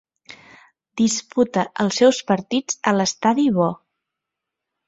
Disputa els seus partits a l'Estadi Bo.